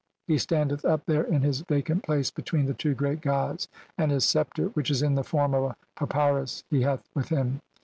He standeth up "there in his vacant place between the two great "gods, and his sceptre, which is in the form of a "papyrus, he hath with him.